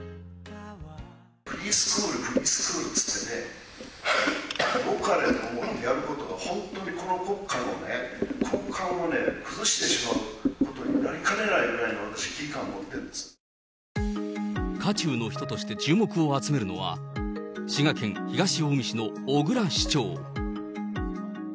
フリースクール、フリースクールって言ってね、よかれと思ってやることが本当に、この国家のね、根幹を崩してしまうことになりかねないくらいの危機感を持ってい渦中の人として注目を集めるのは、滋賀県東近江市の小椋市長。